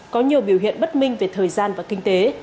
có nhiều biểu hiện bất minh về thời gian và kinh tế